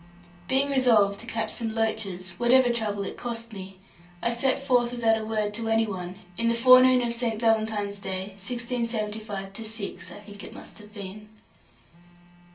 Being resolved to catch some loaches, whatever trouble it cost me, I set forth without a word to any one, in the forenoon of St. Valentine's day, 1675 6, I think it must have been.